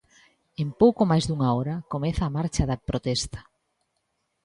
En pouco máis dunha hora comeza a marcha de protesta.